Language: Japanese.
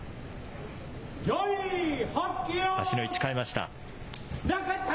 足の位置、かえました。